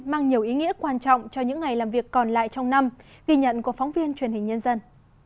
mang nhiều ý nghĩa quan trọng cho những ngày làm việc còn lại trong năm ghi nhận của phóng viên truyền hình nhân dân